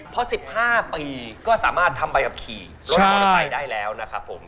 เพราะ๑๕ปีก็สามารถทำใบขับขี่รถมอเตอร์ไซค์ได้แล้วนะครับผม